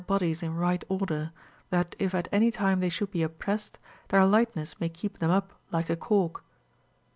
261 bodies in right order, that if at any time they should be oppressed, their lightness may keep them up like a cork.